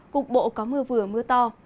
cục bộ có mưa vừa mưa to